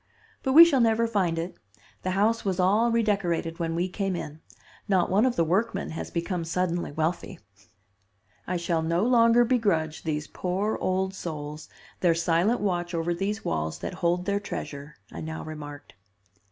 "But we shall never find it. The house was all redecorated when we came in. Not one of the workmen has become suddenly wealthy." "I shall no longer begrudge these poor old souls their silent watch over these walls that hold their treasure," I now remarked.